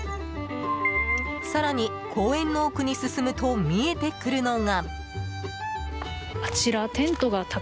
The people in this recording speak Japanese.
更に、公園の奥に進むと見えてくるのが。